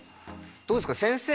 どうですか先生